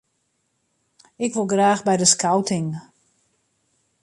Ik wol graach by de skouting.